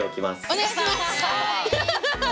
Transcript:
お願いします！